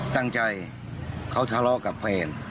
ตั้งใจเขาทะเลาะกับแฟน